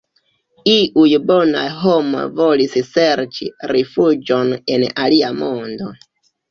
Iuj bonaj homoj volis serĉi rifuĝon en alia mondo.